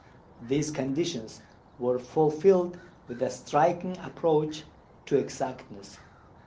These conditions were fulfilled with a striking approach to exactness.